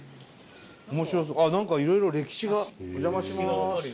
面白そう何かいろいろ歴史がお邪魔します。